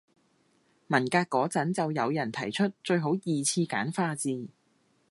文革嗰陣就有人提出最好二次簡化字